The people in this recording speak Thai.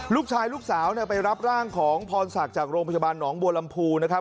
ลูกสาวลูกสาวเนี่ยไปรับร่างของพรศักดิ์จากโรงพยาบาลหนองบัวลำพูนะครับ